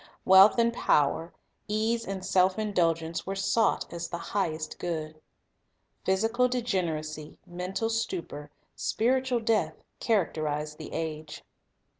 Wealth and power, ease and self indulgence, were sought as the highest good. Physical degeneracy, mental stupor, spiritual death, characterized the age.